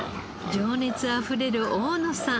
情熱あふれる大野さん。